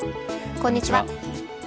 こんにちは。